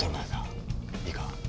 いいか。